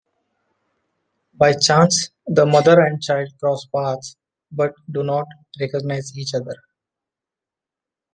By chance, the mother and child cross paths, but do not recognize each other.